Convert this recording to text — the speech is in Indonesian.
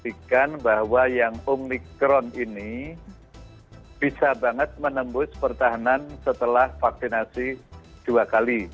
itu membuktikan bahwa yang omnikron ini bisa banget menembus pertahanan setelah vaksinasi dua kali